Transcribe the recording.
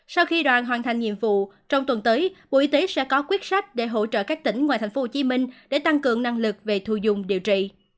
sau khi đoàn hoàn thành nhiệm vụ trong tuần tới bộ y tế sẽ có quyết sách để hỗ trợ các tỉnh ngoài tp hcm để tăng cường năng lực về thu dùng điều trị